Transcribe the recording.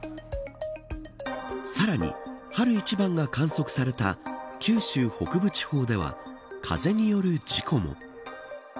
さらに、春一番が観測された九州北部地方では風による事故も。